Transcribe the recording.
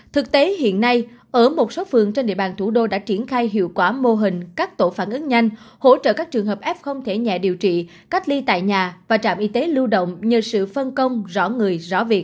thực tế hiện nay ở một số phường trên địa bàn thủ đô đã triển khai hiệu quả mô hình các tổ phản ứng nhanh hỗ trợ các trường hợp f không thể nhẹ điều trị cách ly tại nhà và trạm y tế lưu động nhờ sự phân công rõ người rõ việc